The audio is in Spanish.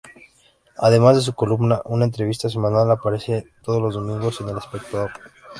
Además de su columna, una entrevista semanal aparece todos los domingos en "El Espectador".